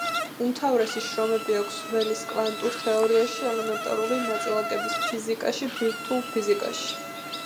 უმთავრესი შრომები აქვს ველის კვანტურ თეორიაში, ელემენტარული ნაწილაკების ფიზიკაში, ბირთვულ ფიზიკაში.